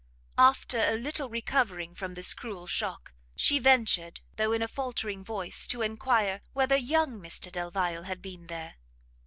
After a little recovering from this cruel shock, she ventured, though in a faultering voice, to enquire whether young Mr Delvile had been there?